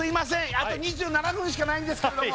あと２７分しかないんですけれども☎